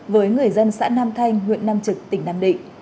với người dân xã nam thanh huyện nam trực tỉnh nam định